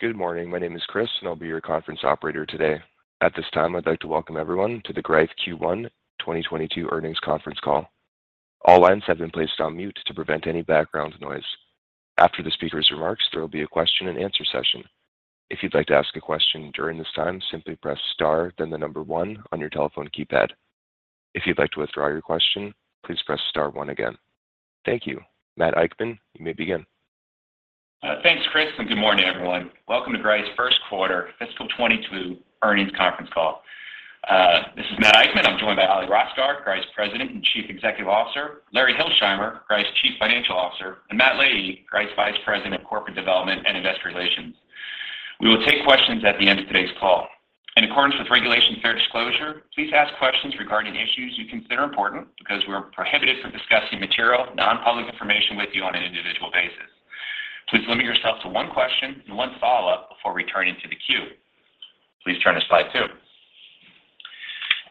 Good morning. My name is Chris, and I'll be your conference operator today. At this time, I'd like to welcome everyone to the Greif Q1 2022 earnings conference call. All lines have been placed on mute to prevent any background noise. After the speaker's remarks, there will be a question-and-answer session. If you'd like to ask a question during this time, simply press star, then the number one on your telephone keypad. If you'd like to withdraw your question, please press star one again. Thank you. Matt Eichmann, you may begin. Thanks, Chris, and good morning, everyone. Welcome to Greif's first quarter fiscal 2022 earnings conference call. This is Matt Eichmann. I'm joined by Ole Rosgaard, Greif's President and Chief Executive Officer, Larry Hilsheimer, Greif's Chief Financial Officer, and Matt Leahy, Greif's Vice President of Corporate Development and Investor Relations. We will take questions at the end of today's call. In accordance with Regulation Fair Disclosure, please ask questions regarding issues you consider important because we're prohibited from discussing material, non-public information with you on an individual basis. Please limit yourself to one question and one follow-up before returning to the queue. Please turn to slide two.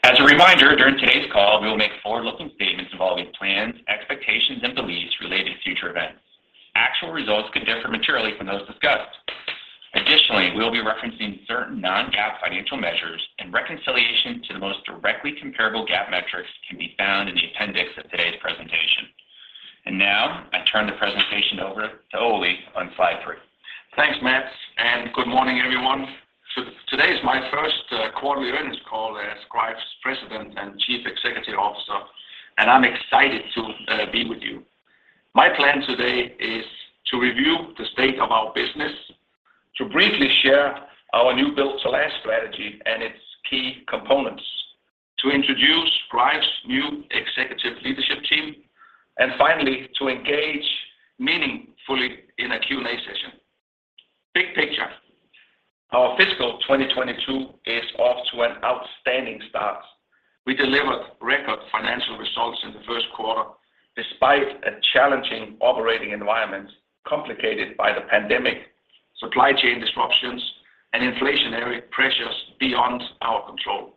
As a reminder, during today's call, we will make forward-looking statements involving plans, expectations, and beliefs related to future events. Actual results could differ materially from those discussed. Additionally, we'll be referencing certain non-GAAP financial measures, and reconciliation to the most directly comparable GAAP metrics can be found in the appendix of today's presentation. Now, I turn the presentation over to Ole on slide three. Thanks, Matt, and good morning, everyone. Today is my first quarterly earnings call as Greif's President and Chief Executive Officer, and I'm excited to be with you. My plan today is to review the state of our business, to briefly share our new Build to Last strategy and its key components, to introduce Greif's new executive leadership team, and finally, to engage meaningfully in a Q&A session. Big picture, our fiscal 2022 is off to an outstanding start. We delivered record financial results in the first quarter despite a challenging operating environment complicated by the pandemic, supply chain disruptions, and inflationary pressures beyond our control.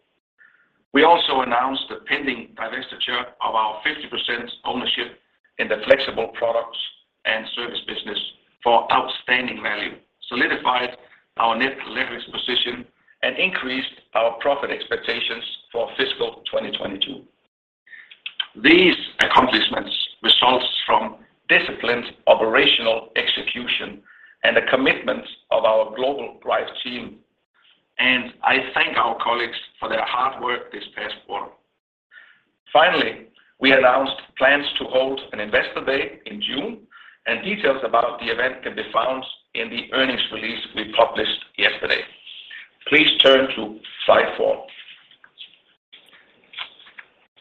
We also announced the pending divestiture of our 50% ownership in the Flexible Products & Services business for outstanding value, solidified our net leverage position, and increased our profit expectations for fiscal 2022. These accomplishments results from disciplined operational execution and the commitment of our global Greif team, and I thank our colleagues for their hard work this past quarter. Finally, we announced plans to hold an Investor Day in June, and details about the event can be found in the earnings release we published yesterday. Please turn to slide four.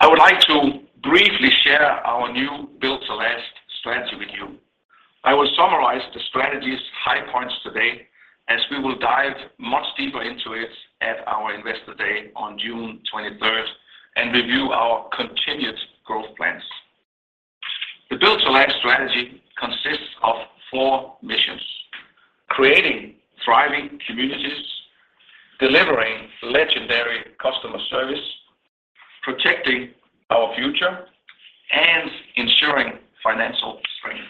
I would like to briefly share our new Build to Last strategy with you. I will summarize the strategy's high points today as we will dive much deeper into it at our Investor Day on June 23rd and review our continued growth plans. The Build to Last strategy consists of four missions, creating thriving communities, delivering legendary customer service, protecting our future, and ensuring financial strength.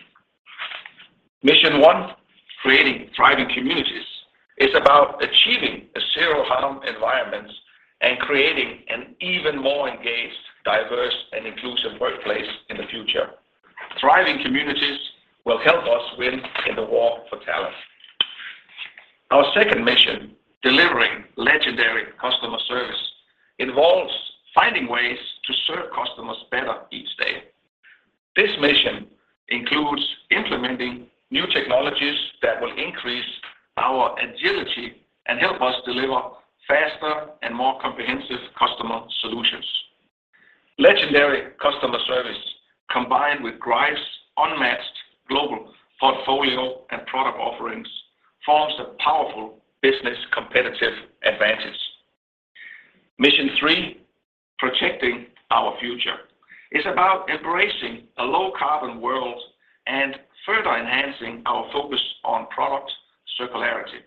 Mission one, creating thriving communities, is about achieving a zero-harm environment and creating an even more engaged, diverse, and inclusive workplace in the future. Thriving communities will help us win in the war for talent. Our second mission, delivering legendary customer service, involves finding ways to serve customers better each day. This mission includes implementing new technologies that will increase our agility and help us deliver faster and more comprehensive customer solutions. Legendary customer service, combined with Greif's unmatched global portfolio and product offerings, forms the powerful business competitive advantage. Mission three, protecting our future, is about embracing a low carbon world and further enhancing our focus on product circularity.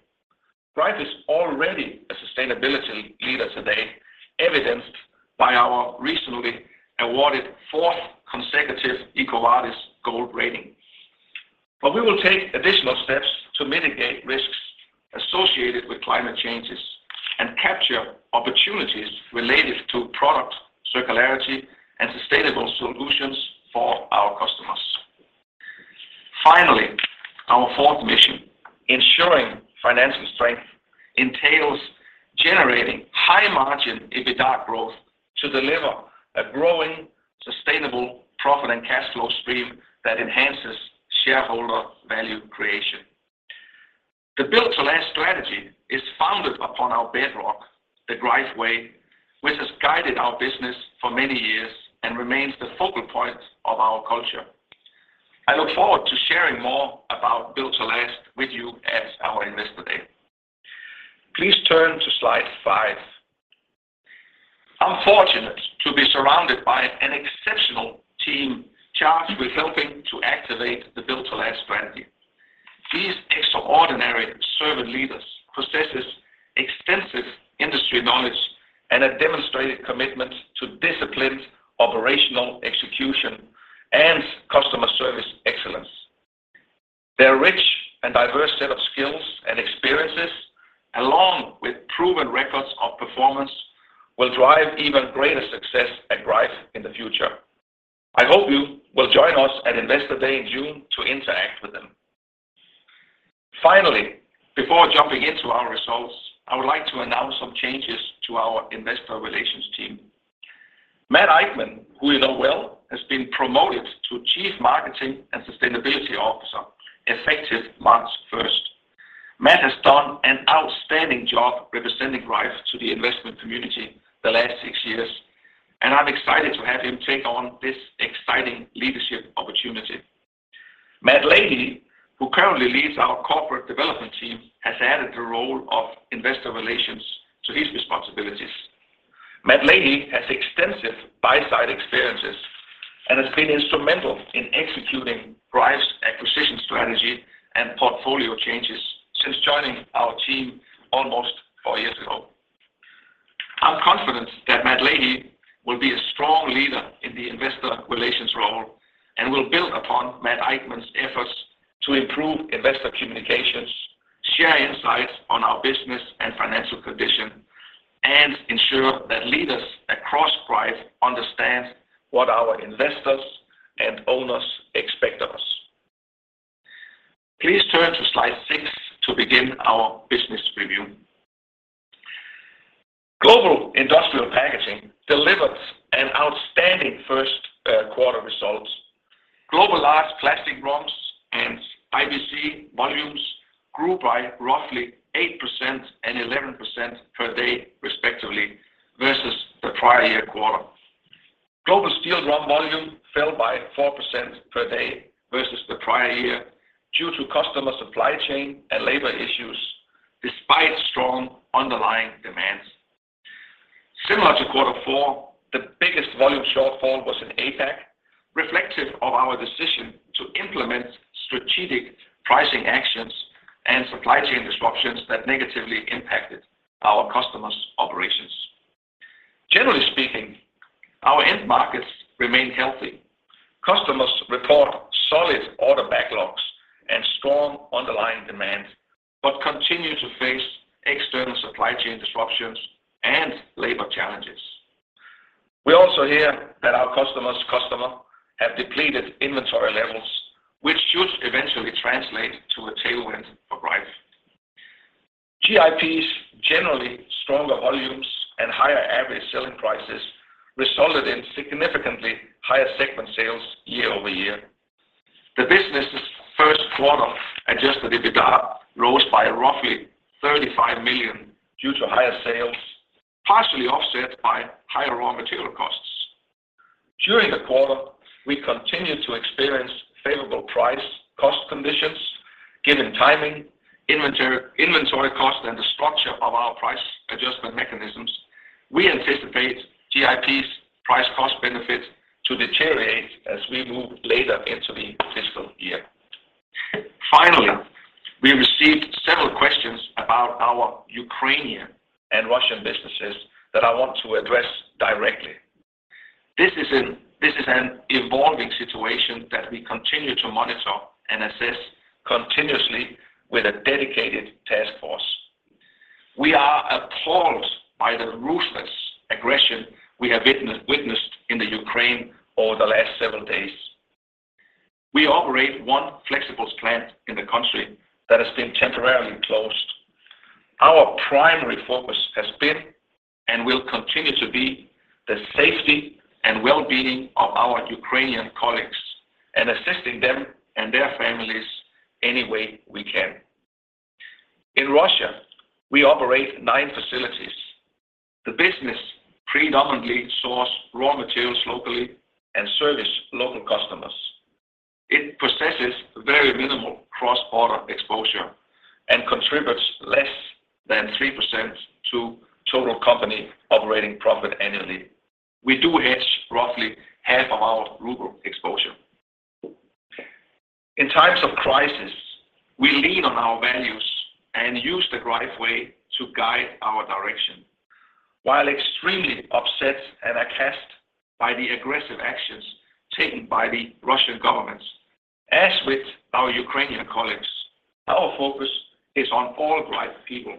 Greif is already a sustainability leader today, evidenced by our recently awarded fourth consecutive EcoVadis gold rating. We will take additional steps to mitigate risks associated with climate changes and capture opportunities related to product circularity and sustainable solutions for our customers. Finally, our fourth mission, ensuring financial strength, entails generating high margin EBITDA growth to deliver a growing, sustainable profit and cash flow stream that enhances shareholder value creation. The Build to Last strategy is founded upon our bedrock, the Greif Way, which has guided our business for many years and remains the focal point of our culture. I look forward to sharing more about Build to Last with you at our Investor Day. Please turn to slide five. I'm fortunate to be surrounded by an exceptional team charged with helping to activate the Build to Last strategy. These extraordinary servant leaders with a demonstrated commitment to disciplined operational execution and customer service excellence. Their rich and diverse set of skills and experiences, along with proven records of performance, will drive even greater success at Greif in the future. I hope you will join us at Investor Day in June to interact with them. Finally, before jumping into our results, I would like to announce some changes to our investor relations team. Matt Eichmann, who you know well, has been promoted to Chief Marketing and Sustainability Officer, effective March 1st. Matt has done an outstanding job representing Greif to the investment community the last six years, and I'm excited to have him take on this exciting leadership opportunity. Matt Leahy, who currently leads our corporate development team, has added the role of investor relations to his responsibilities. Matt Leahy has extensive buy-side experiences and has been instrumental in executing Greif's acquisition strategy and portfolio changes since joining our team almost four years ago. I'm confident that Matt Leahy will be a strong leader in the investor relations role and will build upon Matt Eichmann's efforts to improve investor communications, share insights on our business and financial condition, and ensure that leaders across Greif understand what our investors and owners expect of us. Please turn to slide six to begin our business review. Global Industrial Packaging delivered an outstanding first quarter results. Global large plastic drums and IBC volumes grew by roughly 8% and 11% per day, respectively, versus the prior year quarter. Global steel drum volume fell by 4% per day versus the prior year due to customer supply chain and labor issues despite strong underlying demands. Similar to quarter four, the biggest volume shortfall was in APAC, reflective of our decision to implement strategic pricing actions and supply chain disruptions that negatively impacted our customers' operations. Generally speaking, our end markets remain healthy. Customers report solid order backlogs and strong underlying demand, but continue to face external supply chain disruptions and labor challenges. We also hear that our customer's customer have depleted inventory levels, which should eventually translate to a tailwind for Greif. GIP's generally stronger volumes and higher average selling prices resulted in significantly higher segment sales year-over-year. The business' first quarter adjusted EBITDA rose by roughly $35 million due to higher sales, partially offset by higher raw material costs. During the quarter, we continued to experience favorable price cost conditions. Given timing, inventory cost, and the structure of our price adjustment mechanisms, we anticipate GIP's price cost benefit to deteriorate as we move later into the fiscal year. Finally, we received several questions about our Ukrainian and Russian businesses that I want to address directly. This is an evolving situation that we continue to monitor and assess continuously with a dedicated task force. We are appalled by the ruthless aggression we have witnessed in the Ukraine over the last several days. We operate one flexibles plant in the country that has been temporarily closed. Our primary focus has been, and will continue to be, the safety and well-being of our Ukrainian colleagues and assisting them and their families any way we can. In Russia, we operate nine facilities. The business predominantly sources raw materials locally and services local customers. It possesses very minimal cross-border exposure and contributes less than 3% to total company operating profit annually. We do hedge roughly half of our ruble exposure. In times of crisis, we lean on our values and use the Greif Way to guide our direction. While extremely upset and aghast by the aggressive actions taken by the Russian government, as with our Ukrainian colleagues, our focus is on all Greif people.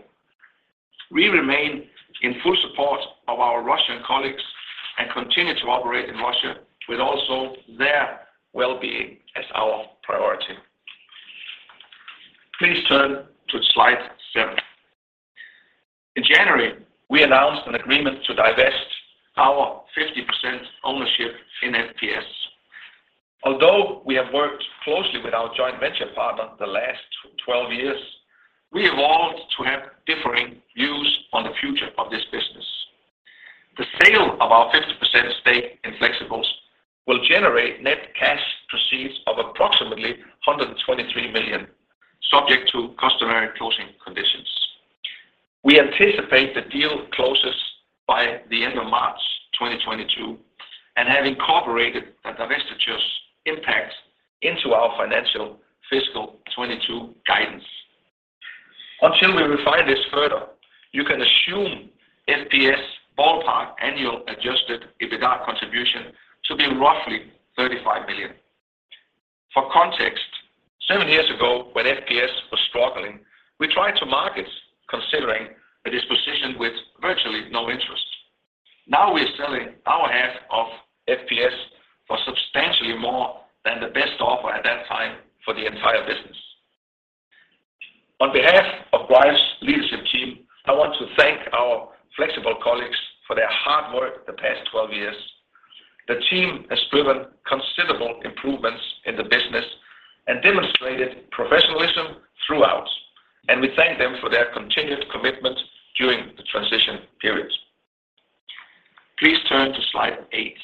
We remain in full support of our Russian colleagues and continue to operate in Russia with also their well-being as our priority. Please turn to slide seven. In January, we announced an agreement to divest our 50% ownership in FPS. Although we have worked closely with our joint venture partner the last 12 years, we evolved to have differing views on the future of this business. The sale of our 50% stake in Flexibles will generate net cash proceeds of approximately $123 million, subject to customary closing conditions. We anticipate the deal closes by the end of March 2022, and have incorporated the divestiture's impact into our fiscal 2022 guidance. Until we refine this further, you can assume FPS ballpark annual adjusted EBITDA contribution to be roughly $35 million. For context, seven years ago, when FPS was struggling, we tried to market considering a disposition with virtually no interest. Now we're selling our half of FPS for substantially more than the best offer at that time for the entire business. On behalf of Greif's leadership team, I want to thank our flexible colleagues for their hard work the past 12 years. The team has driven considerable improvements in the business and demonstrated professionalism throughout, and we thank them for their continued commitment during the transition period. Please turn to slide eight.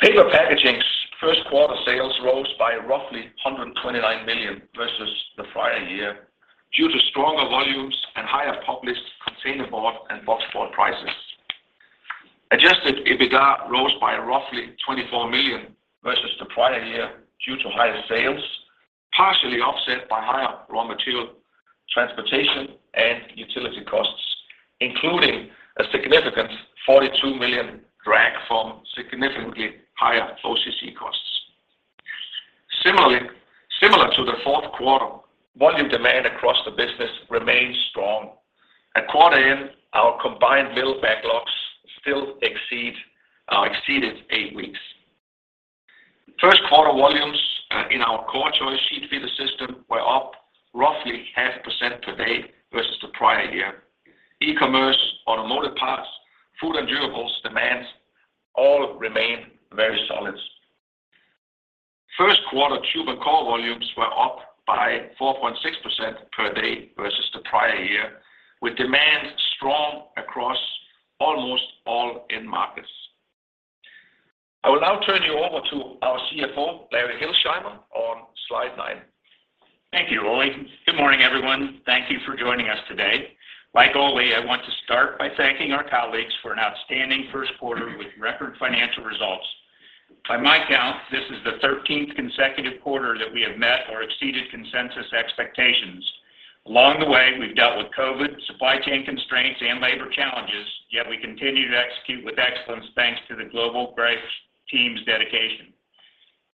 Paper Packaging's first quarter sales rose by roughly $129 million versus the prior year due to stronger volumes and higher published containerboard and boxboard prices. Adjusted EBITDA rose by roughly $24 million versus the prior year due to higher sales, partially offset by higher raw material, transportation, and utility costs, including a significant $42 million drag from significantly higher OCC costs. Similar to the fourth quarter, volume demand across the business remains strong. Quarter in, our combined mill backlogs still exceeded eight weeks. First quarter volumes in our CorrChoice sheet feeder system were up roughly 0.5% per day versus the prior year. E-commerce, automotive parts, food and durables demands all remain very solid. First quarter tube and core volumes were up by 4.6% per day versus the prior year, with demand strong across almost all end markets. I will now turn you over to our CFO, Larry Hilsheimer, on slide nine. Thank you, Ole. Good morning, everyone. Thank you for joining us today. Like Ole, I want to start by thanking our colleagues for an outstanding first quarter with record financial results. By my count, this is the 13th consecutive quarter that we have met or exceeded consensus expectations. Along the way, we've dealt with COVID, supply chain constraints, and labor challenges, yet we continue to execute with excellence thanks to the global Greif team's dedication.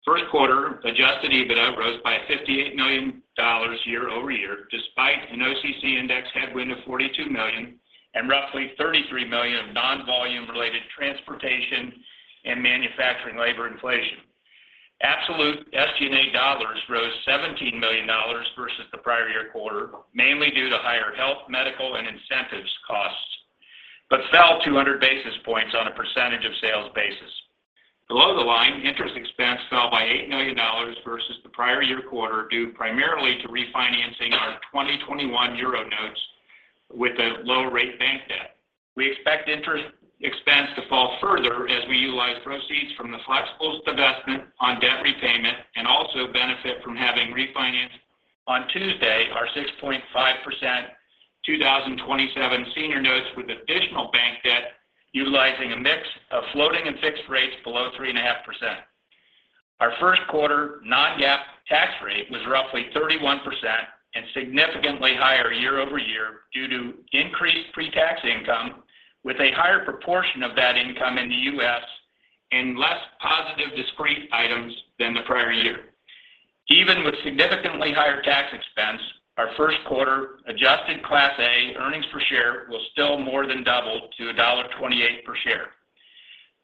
First quarter adjusted EBITDA rose by $58 million year-over-year, despite an OCC index headwind of $42 million and roughly $33 million of non-volume related transportation and manufacturing labor inflation. Absolute SG&A dollars rose $17 million versus the prior year quarter, mainly due to higher health, medical, and incentives costs, but fell 200 basis points on a percentage of sales basis. Below the line, interest expense fell by $8 million versus the prior year quarter, due primarily to refinancing our 2021 euro notes with low-rate bank debt. We expect interest expense to fall further as we utilize proceeds from the Flexibles divestment on debt repayment and also benefit from having refinanced on Tuesday our 6.5% 2027 senior notes with additional bank debt utilizing a mix of floating and fixed rates below 3.5%. Our first quarter non-GAAP tax rate was roughly 31% and significantly higher year-over-year due to increased pre-tax income with a higher proportion of that income in the U.S. and less positive discrete items than the prior year. Even with significantly higher tax expense, our first quarter adjusted Class A earnings per share will still more than double to $1.28 per share.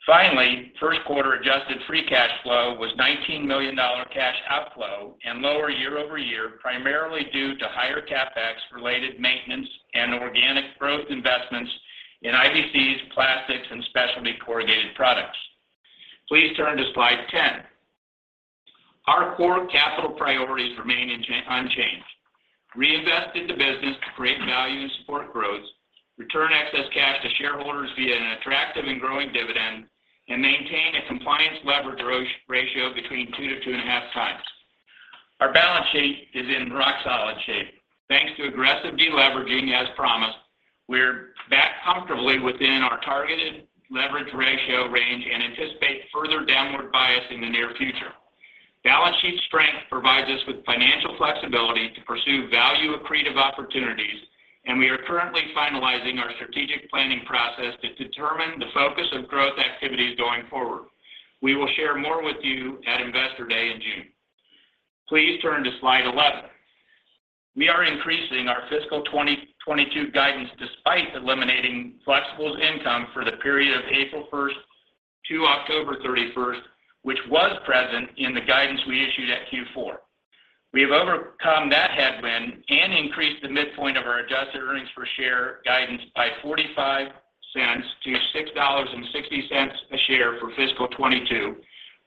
Finally, first quarter adjusted free cash flow was $19 million cash outflow and lower year-over-year, primarily due to higher CapEx related maintenance and organic growth investments in IBCs, plastics, and specialty corrugated products. Please turn to slide 10. Our core capital priorities remain unchanged. Reinvest in the business to create value and support growth, return excess cash to shareholders via an attractive and growing dividend, and maintain a compliance leverage ratio between 2x-2.5x. Our balance sheet is in rock solid shape. Thanks to aggressive deleveraging as promised, we're back comfortably within our targeted leverage ratio range and anticipate further downward bias in the near future. Balance sheet strength provides us with financial flexibility to pursue value accretive opportunities, and we are currently finalizing our strategic planning process to determine the focus of growth activities going forward. We will share more with you at Investor Day in June. Please turn to slide 11. We are increasing our fiscal 2022 guidance despite eliminating Flexibles income for the period of April 1st to October 31st, which was present in the guidance we issued at Q4. We have overcome that headwind and increased the midpoint of our adjusted earnings per share guidance by $0.45-$6.60 a share for fiscal 2022,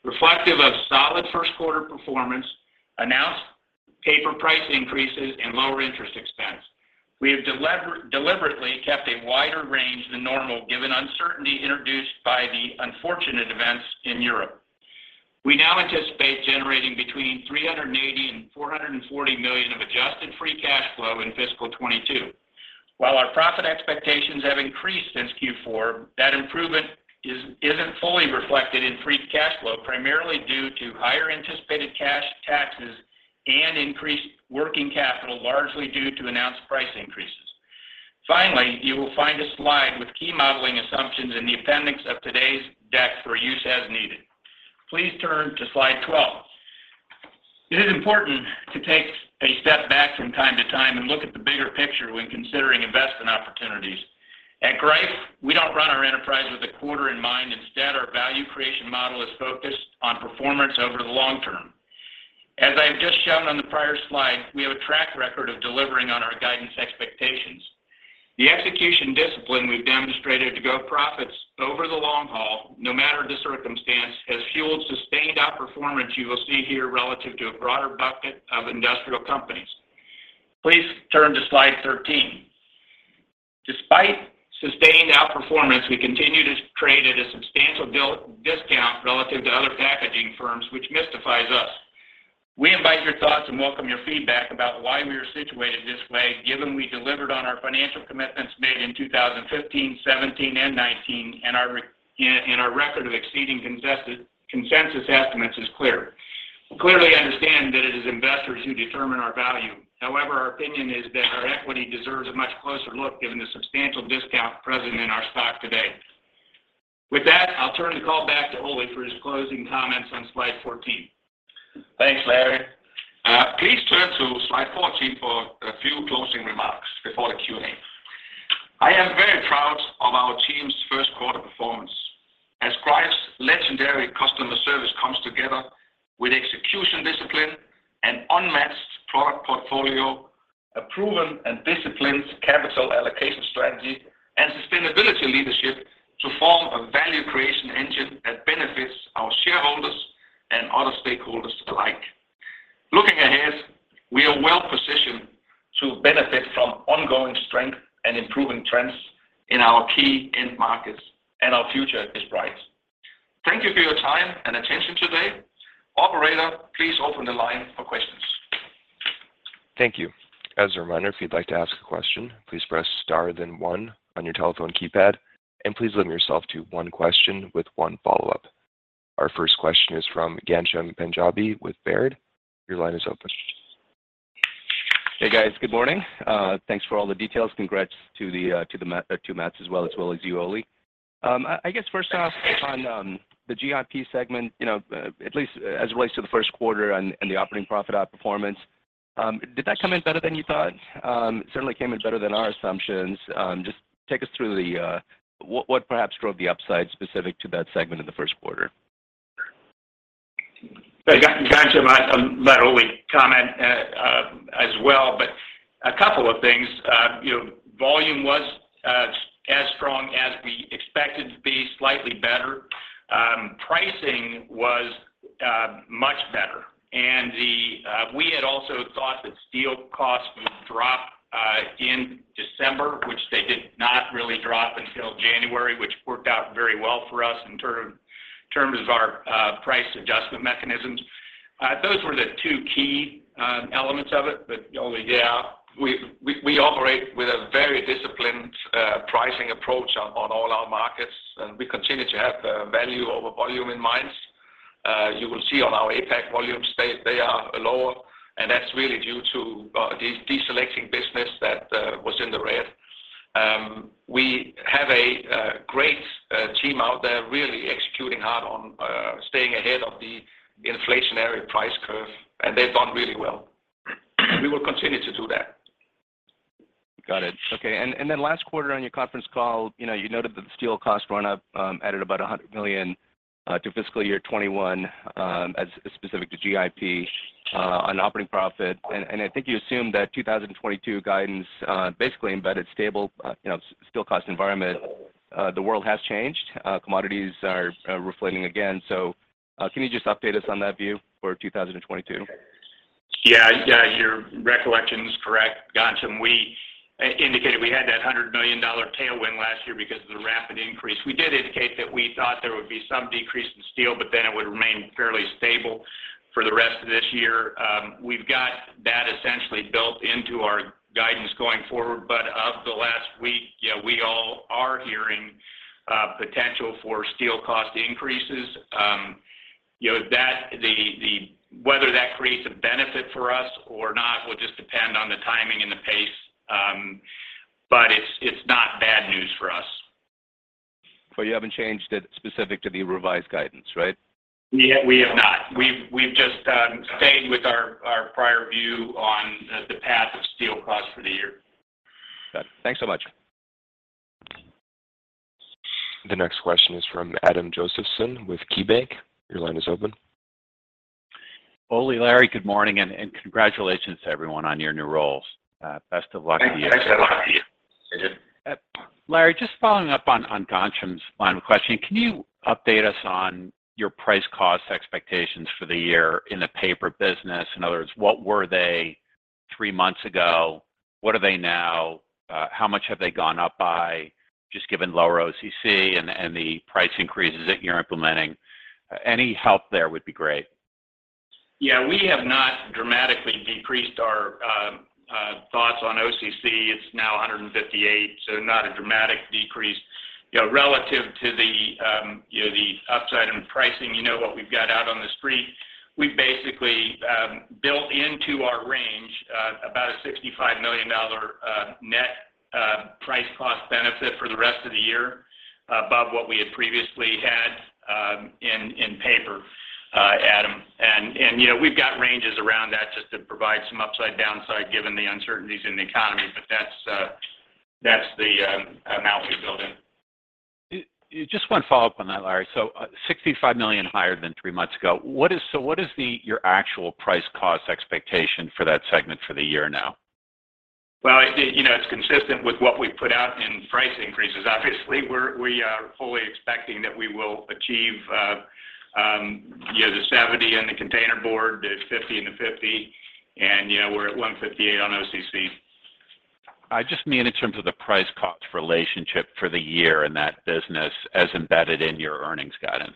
reflective of solid first quarter performance, announced paper price increases, and lower interest expense. We have deliberately kept a wider range than normal given uncertainty introduced by the unfortunate events in Europe. We now anticipate generating between $380 million and $440 million of adjusted free cash flow in fiscal 2022. While our profit expectations have increased since Q4, that improvement isn't fully reflected in free cash flow, primarily due to higher anticipated cash taxes and increased working capital, largely due to announced price increases. Finally, you will find a slide with key modeling assumptions in the appendix of today's deck for use as needed. Please turn to slide 12. It is important to take a step back from time to time and look at the bigger picture when considering investment opportunities. At Greif, we don't run our enterprise with a quarter in mind. Instead, our value creation model is focused on performance over the long term. As I have just shown on the prior slide, we have a track record of delivering on our guidance expectations. The execution discipline we've demonstrated to grow profits over the long haul, no matter the circumstance, has fueled sustained outperformance you will see here relative to a broader bucket of industrial companies. Please turn to slide 13. Despite sustained outperformance, we continue to trade at a substantial discount relative to other packaging firms, which mystifies us. We invite your thoughts and welcome your feedback about why we are situated this way, given we delivered on our financial commitments made in 2015, 2017, and 2019, and our record of exceeding consensus estimates is clear. We clearly understand that it is investors who determine our value. However, our opinion is that our equity deserves a much closer look given the substantial discount present in our stock today. With that, I'll turn the call back to Ole for his closing comments on slide 14. Thanks, Larry. Please turn to slide 14 for a few closing remarks before the Q&A. I am very proud of our team's first quarter performance. As Greif's legendary customer service comes together with execution discipline and unmatched product portfolio, a proven and disciplined capital allocation strategy, and sustainability leadership to form a value creation engine that benefits our shareholders and other stakeholders alike. Looking ahead, we are well-positioned to benefit from ongoing strength and improving trends in our key end markets, and our future is bright. Thank you for your time and attention today. Operator, please open the line for questions. Thank you. As a reminder, if you'd like to ask a question, please press star then one on your telephone keypad, and please limit yourself to one question with one follow-up. Our first question is from Ghansham Panjabi with Baird. Your line is open. Hey, guys. Good morning. Thanks for all the details. Congrats to Matt as well as you, Ole. I guess first off, on the GIP segment, you know, at least as it relates to the first quarter and the operating profit outperformance, did that come in better than you thought? It certainly came in better than our assumptions. Just take us through what perhaps drove the upside specific to that segment in the first quarter? Yeah. Ghansham, I'll let Ole comment as well. A couple of things. You know, volume was as strong as we expected it to be, slightly better. Pricing was much better. Then we had also thought that steel costs would drop in December, which they did not really drop until January, which worked out very well for us in terms of our price adjustment mechanisms. Those were the two key elements of it. Ole, yeah. We operate with a very disciplined pricing approach on all our markets, and we continue to have value over volume in mind. You will see on our APAC volume stats, they are lower, and that's really due to deselecting business that was in the red. We have a great team out there really executing hard on staying ahead of the inflationary price curve, and they've done really well. We will continue to do that. Got it. Okay. Then last quarter on your conference call, you know, you noted that the steel cost run up added about $100 million to fiscal year 2021, as specific to GIP, on operating profit. I think you assumed that 2022 guidance basically embedded stable, you know, steel cost environment. The world has changed. Commodities are reflating again. Can you just update us on that view for 2022? Yeah. Your recollection is correct, Ghansham. We indicated we had that $100 million tailwind last year because of the rapid increase. We did indicate that we thought there would be some decrease in steel, but then it would remain fairly stable for the rest of this year. We've got that essentially built into our guidance going forward. Over the last week, yeah, we all are hearing potential for steel cost increases. You know, whether that creates a benefit for us or not will just depend on the timing and the pace. It's not bad news for us. You haven't changed it specific to the revised guidance, right? Yeah, we have not. We've just stayed with our prior view on the path of steel costs for the year. Got it. Thanks so much. The next question is from Adam Josephson with KeyBanc. Your line is open. Ole, Larry, good morning, and congratulations to everyone on your new roles. Best of luck to you. Thanks, Adam. Larry, just following up on Ghansham's line of questioning. Can you update us on your price cost expectations for the year in the paper business? In other words, what were they three months ago? What are they now? How much have they gone up by just given lower OCC and the price increases that you're implementing? Any help there would be great. Yeah, we have not dramatically decreased our thoughts on OCC. It's now $158, so not a dramatic decrease. You know, relative to the upside in pricing, you know what we've got out on the street. We've basically built into our range about a $65 million net price cost benefit for the rest of the year above what we had previously had in paper, Adam. You know, we've got ranges around that just to provide some upside, downside given the uncertainties in the economy. That's the amount we've built in. Just one follow-up on that, Larry. $65 million higher than three months ago. What is your actual price cost expectation for that segment for the year now? Well, you know, it's consistent with what we put out in price increases. Obviously, we are fully expecting that we will achieve, you know, the $70 in the containerboard, the $50 in the 50 and yeah, we're at $158 on OCC. I just mean in terms of the price cost relationship for the year in that business as embedded in your earnings guidance.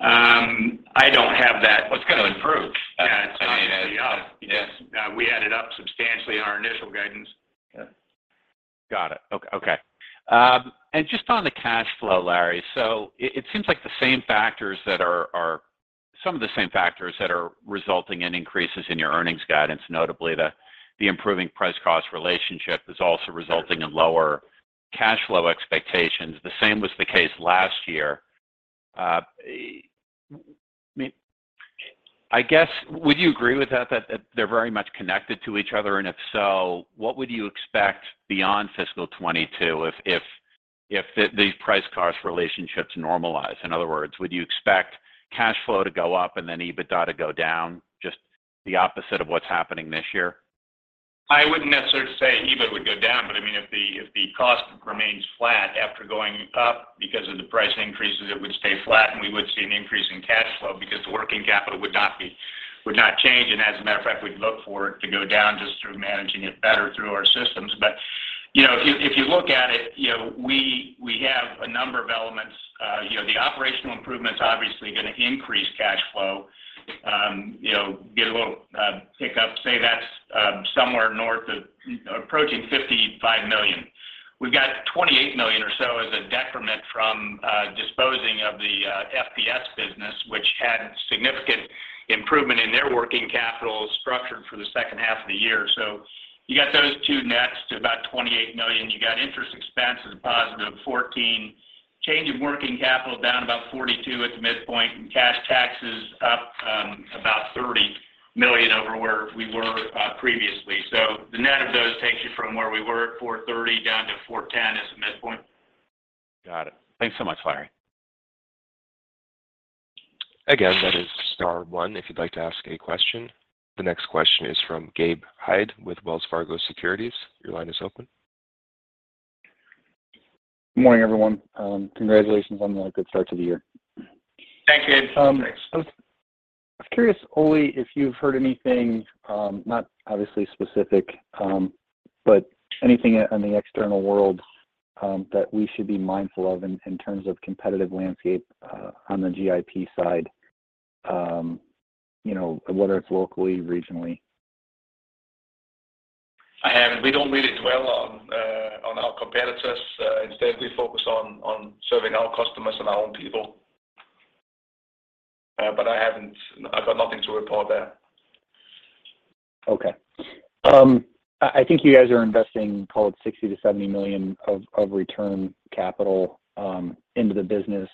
I don't have that. Well, it's got to improve. I mean. Yeah. It's obviously up. Because we added up substantially on our initial guidance. Okay. Got it. Just on the cash flow, Larry. It seems like some of the same factors that are resulting in increases in your earnings guidance, notably the improving price cost relationship, is also resulting in lower cash flow expectations. The same was the case last year. I mean, I guess, would you agree with that they're very much connected to each other? If so, what would you expect beyond fiscal 2022 if the price cost relationships normalize? In other words, would you expect cash flow to go up and then EBITDA to go down, just the opposite of what's happening this year? I wouldn't necessarily say EBIT would go down, but I mean, if the cost remains flat after going up because of the price increases, it would stay flat, and we would see an increase in cash flow because the working capital would not change. As a matter of fact, we'd look for it to go down just through managing it better through our systems. You know, if you look at it, you know, we have a number of elements. You know, the operational improvements obviously gonna increase cash flow, you know, get a little pick up. Say that's somewhere north of, you know, approaching $55 million. We've got $28 million or so as a detriment from disposing of the FPS business, which had significant improvement in their working capital structure for the second half of the year. You got those two nets to about $28 million. You got interest expense as a +$14. Change in working capital down about $42 at the midpoint, and cash taxes up about $30 million over where we were previously. The net of those takes you from where we were at $430 down to $410 as a midpoint. Got it. Thanks so much, Larry. Again, that is star one if you'd like to ask a question. The next question is from Gabe Hajde with Wells Fargo Securities. Your line is open. Good morning, everyone. Congratulations on the good start to the year. Thanks, Gabe. I was curious, Ole, if you've heard anything, not obviously specific, but anything in the external world that we should be mindful of in terms of competitive landscape on the GIP side, you know, whether it's locally, regionally. I haven't. We don't really dwell on our competitors. Instead, we focus on serving our customers and our own people. I haven't. I've got nothing to report there. Okay. I think you guys are investing, call it $60 million-$70 million of return capital into the business.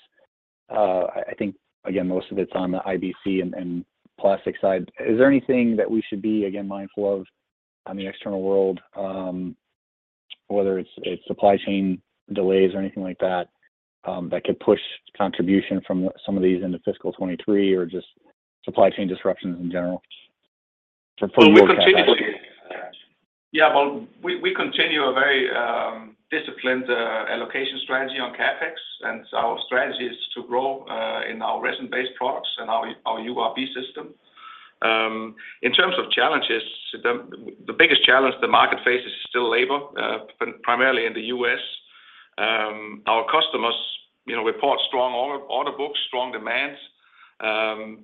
I think, again, most of it's on the IBC and plastic side. Is there anything that we should be, again, mindful of on the external world, whether it's supply chain delays or anything like that could push contribution from some of these into fiscal 2023 or just supply chain disruptions in general from your perspective? We continue a very disciplined allocation strategy on CapEx, and our strategy is to grow in our resin-based products and our URB system. In terms of challenges, the biggest challenge the market faces is still labor primarily in the U.S. Our customers, you know, report strong order books, strong demands,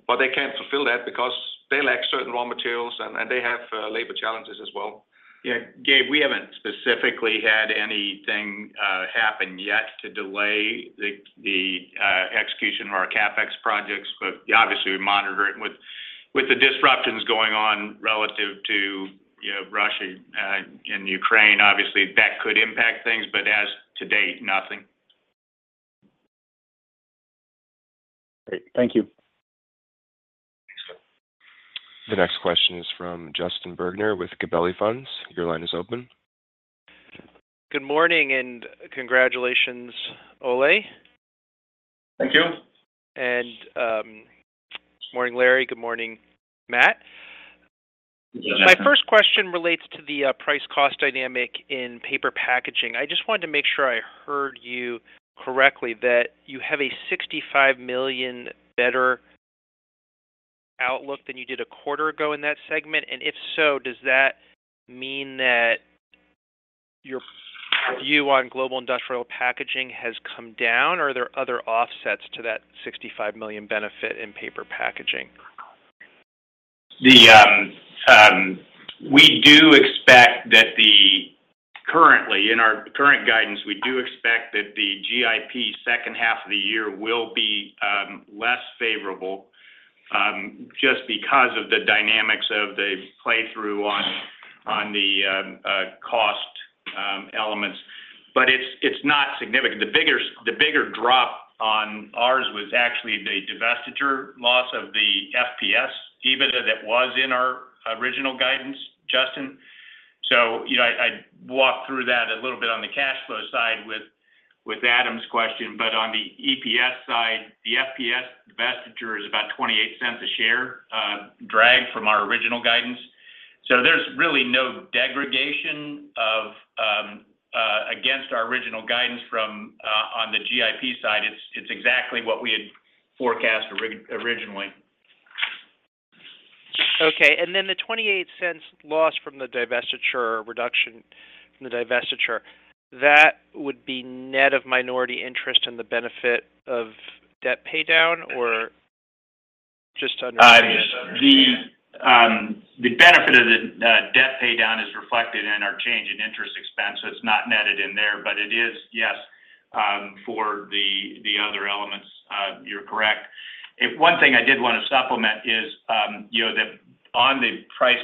but they can't fulfill that because they lack certain raw materials and they have labor challenges as well. Yeah. Gabe, we haven't specifically had anything happen yet to delay the the execution of our CapEx projects, but obviously we monitor it. With the disruptions going on relative to you know, Russia and Ukraine, obviously that could impact things. As to date, nothing. Great. Thank you. Thanks. The next question is from Justin Bergner with Gabelli Funds. Your line is open. Good morning and congratulations, Ole. Thank you. Morning, Larry. Good morning, Matt. Good morning. My first question relates to the price cost dynamic in paper packaging. I just wanted to make sure I heard you correctly that you have a $65 million better outlook than you did a quarter ago in that segment. If so, does that mean that your view on Global Industrial Packaging has come down. Are there other offsets to that $65 million benefit in paper packaging? Currently, in our current guidance, we do expect that the GIP second half of the year will be less favorable just because of the dynamics of the play-through on the cost elements. It's not significant. The bigger drop on ours was actually the divestiture loss of the FPS, even though that was in our original guidance, Justin. You know, I walked through that a little bit on the cash flow side with Adam's question. On the EPS side, the FPS divestiture is about $0.28 a share drag from our original guidance. There's really no degradation against our original guidance from on the GIP side. It's exactly what we had forecasted originally. Okay. The $0.28 loss from the divestiture, that would be net of minority interest in the benefit of debt paydown or just under? The benefit of the debt paydown is reflected in our change in interest expense, so it's not netted in there. It is, yes, for the other elements, you're correct. One thing I did want to supplement is, you know, that on the price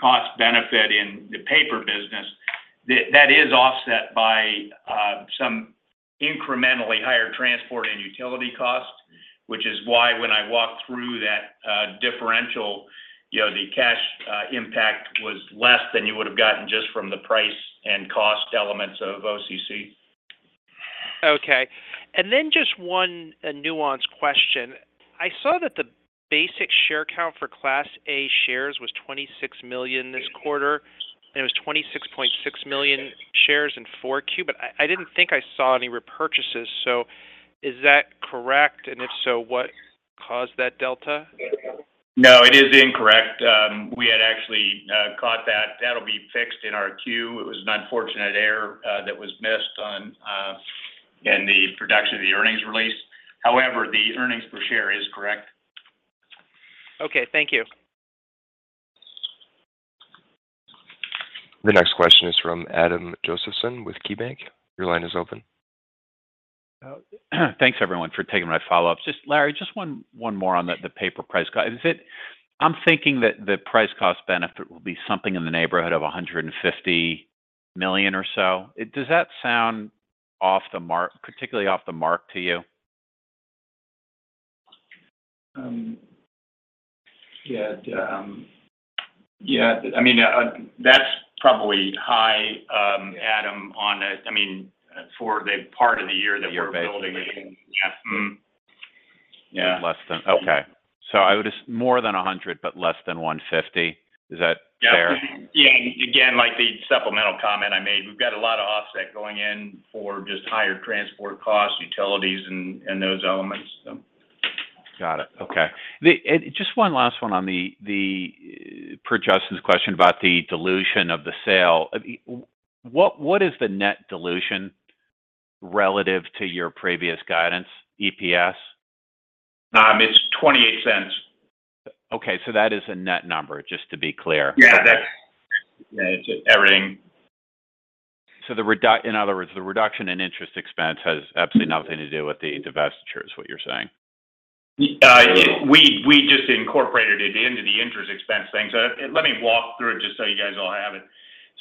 cost benefit in the paper business, that is offset by some incrementally higher transport and utility costs. Which is why when I walk through that differential, you know, the cash impact was less than you would have gotten just from the price and cost elements of OCC. Okay. Just one, a nuanced question. I saw that the basic share count for Class A shares was $26 million this quarter, and it was $26.6 million shares in 4Q. I didn't think I saw any repurchases. Is that correct? If so, what caused that delta? No, it is incorrect. We had actually caught that. That'll be fixed in our queue. It was an unfortunate error that was missed in the production of the earnings release. However, the earnings per share is correct. Okay, thank you. The next question is from Adam Josephson with KeyBanc. Your line is open. Thanks everyone for taking my follow-up. Just Larry, just one more on the paper price. Is it, I'm thinking that the price cost benefit will be something in the neighborhood of $150 million or so. Does that sound off the mark, particularly off the mark to you? I mean, that's probably high, Adam, on it. I mean, for the part of the year that we're building. You're building. Yeah. Mm. Yeah. More than $100 million, but less than $150 million. Is that fair? Yeah. Again, like the supplemental comment I made, we've got a lot of offset going in for just higher transport costs, utilities and those elements. So. Got it. Okay. Just one last one on the per Justin's question about the dilution of the sale. What is the net dilution relative to your previous guidance, EPS? It's $0.28. Okay. That is a net number, just to be clear. Yeah. That's everything. In other words, the reduction in interest expense has absolutely nothing to do with the divestiture, is what you're saying? We just incorporated it into the interest expense thing. Let me walk through it just so you guys all have it.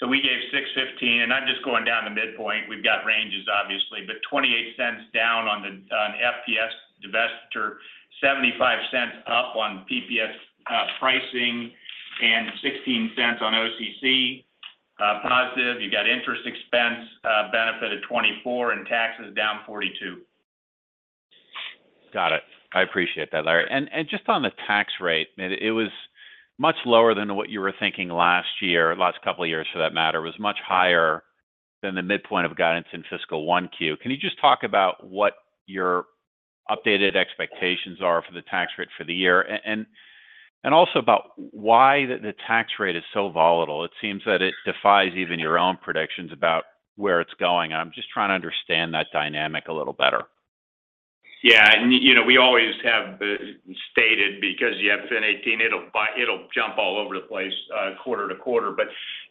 We gave $6.15, and I'm just going down the midpoint. We've got ranges obviously. $0.28 down on FPS divestiture, $0.75 up on PPS pricing, and $0.16 on OCC positive. You got interest expense benefit of $24, and taxes down $42. Got it. I appreciate that, Larry. Just on the tax rate, I mean, it was much lower than what you were thinking last year, last couple of years for that matter. It was much higher than the midpoint of guidance in fiscal 1Q. Can you just talk about what your updated expectations are for the tax rate for the year? And also about why the tax rate is so volatile. It seems that it defies even your own predictions about where it's going. I'm just trying to understand that dynamic a little better. Yeah. You know, we always have stated because you have FIN 18, it'll jump all over the place quarter to quarter.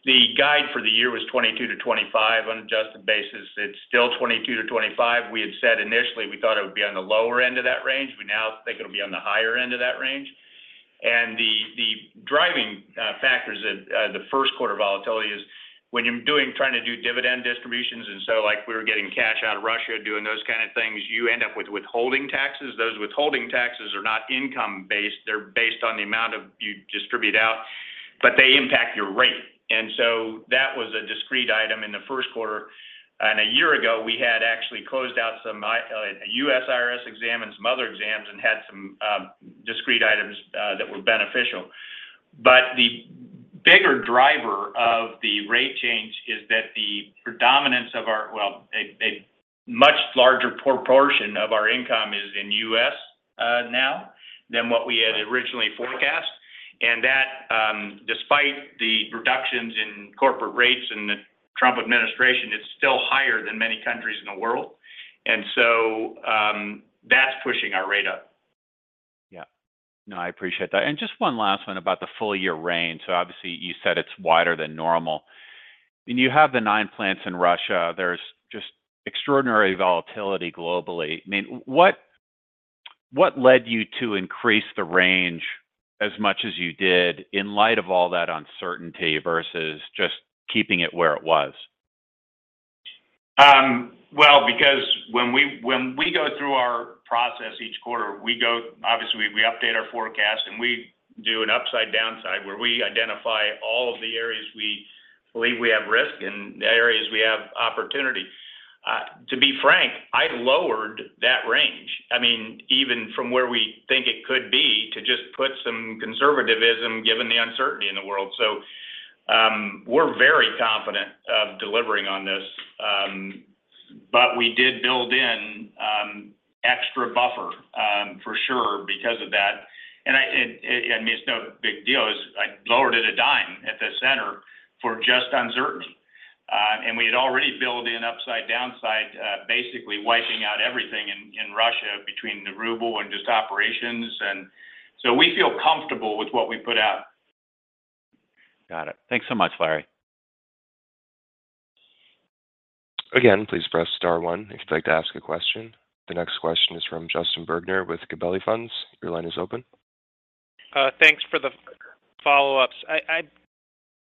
The guide for the year was 22%-25% on adjusted basis. It's still 22%-25%. We had said initially we thought it would be on the lower end of that range. We now think it'll be on the higher end of that range. The driving factors of the first quarter volatility is when you're trying to do dividend distributions, and so like we were getting cash out of Russia, doing those kind of things, you end up with withholding taxes. Those withholding taxes are not income-based, they're based on the amount you distribute out, but they impact your rate. That was a discrete item in the first quarter. A year ago, we had actually closed out some, a U.S. IRS exam and some other exams and had some discrete items that were beneficial. The bigger driver of the rate change is that a much larger proportion of our income is in the U.S. now than what we had originally forecast. That, despite the reductions in corporate rates in the Trump administration, it's still higher than many countries in the world. That's pushing our rate up. Yeah. No, I appreciate that. Just one last one about the full year range. Obviously, you said it's wider than normal. When you have the nine plants in Russia, there's just extraordinary volatility globally. I mean, what led you to increase the range as much as you did in light of all that uncertainty versus just keeping it where it was? Because when we go through our process each quarter, we update our forecast, and we do an upside downside where we identify all of the areas we believe we have risk and the areas we have opportunity. To be frank, I lowered that range. I mean, even from where we think it could be to just put some conservatism, given the uncertainty in the world. We're very confident of delivering on this. But we did build in extra buffer for sure because of that. I mean, it's no big deal as I lowered it a dime at the center for just uncertainty. We had already built in upside downside, basically wiping out everything in Russia between the ruble and just operations. We feel comfortable with what we put out. Got it. Thanks so much, Larry. Again, please press star one if you'd like to ask a question. The next question is from Justin Bergner with Gabelli Funds. Your line is open. Thanks for the follow-ups. I'm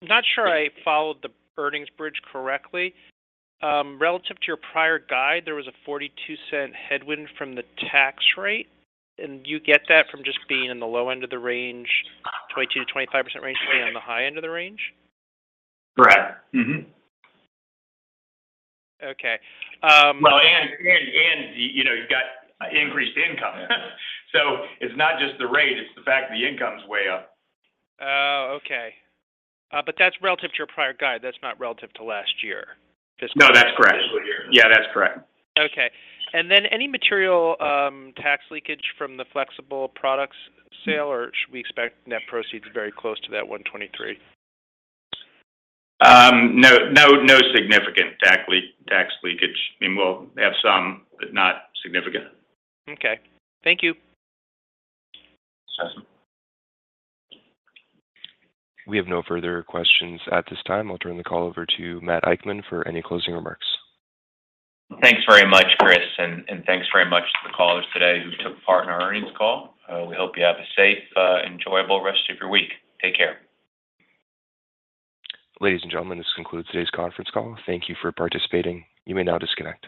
not sure I followed the earnings bridge correctly. Relative to your prior guide, there was a $0.42 headwind from the tax rate. You get that from just being in the low end of the range, 22%-25% range on the high end of the range? Correct. Mm-hmm. Okay. Well, you know, you've got increased income. It's not just the rate, it's the fact the income is way up. Oh, okay. That's relative to your prior guide. That's not relative to last year. No, that's correct. Fiscal year. Yeah, that's correct. Okay. Any material tax leakage from the flexible products sale, or should we expect net proceeds very close to that $123? No significant tax leakage. I mean, we'll have some, but not significant. Okay. Thank you. We have no further questions at this time. I'll turn the call over to Matt Eichmann for any closing remarks. Thanks very much, Chris, and thanks very much to the callers today who took part in our earnings call. We hope you have a safe, enjoyable rest of your week. Take care. Ladies and gentlemen, this concludes today's conference call. Thank you for participating. You may now disconnect.